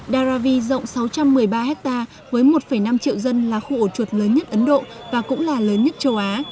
daravi rộng sáu trăm một mươi ba ha với một năm triệu dân là khu ổ chuột lớn nhất ấn độ và cũng là lớn nhất châu á